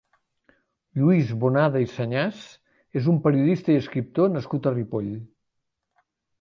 Lluís Bonada i Sañas és un periodista i escriptor nascut a Ripoll.